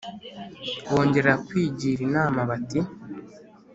bongera kwigira inama, bati: